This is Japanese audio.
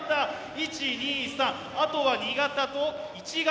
１２３あとは２型と１型。